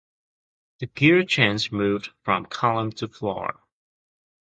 The gearchange moved from column to floor.